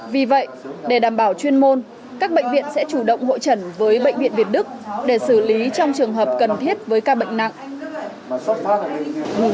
vì vậy để đảm bảo chuyên môn các bệnh viện sẽ chủ động hội trần với bệnh viện việt đức để xử lý trong trường hợp cần thiết với ca bệnh nặng